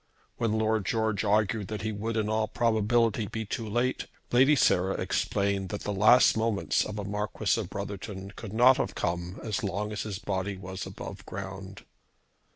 When Lord George argued that he would in all probability be too late, Lady Sarah explained that the last moments of a Marquis of Brotherton could not have come as long as his body was above ground.